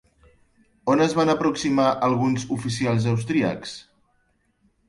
On es van aproximar alguns oficials austríacs?